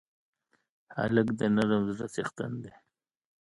هلک د نرم زړه څښتن دی.